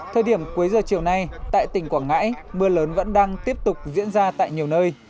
thời điểm cuối giờ chiều nay tại tỉnh quảng ngãi mưa lớn vẫn đang tiếp tục diễn ra tại nhiều nơi